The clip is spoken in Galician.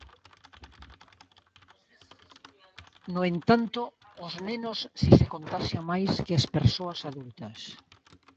No entanto, os nenos si se contaxian máis que as persoas adultas.